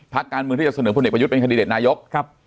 พักการเมืองที่จะเสนอพลเน็ตประยุทธ์เป็นคดีเดชนายก